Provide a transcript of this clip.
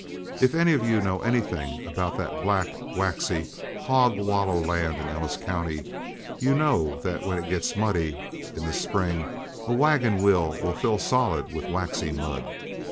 If any of you know anything about that black waxy, hog wallow land in Ellis County, you know that when it gets muddy in the spring a wagon wheel will fill solid with waxy mud.